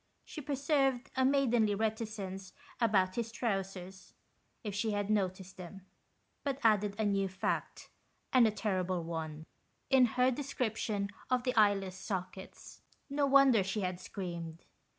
She preserved a maidenly reticence about his trousers, if she had noticed them; but added a new fact, and a terrible one, in her description of the eyeless sockets. No wonder she had screamed.